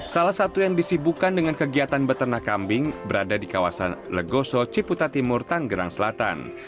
salah satu yang disibukan dengan kegiatan beternak kambing berada di kawasan legoso ciputa timur tanggerang selatan